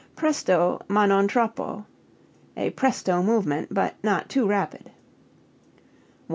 Presto (ma) non troppo a presto movement, but not too rapid. 111.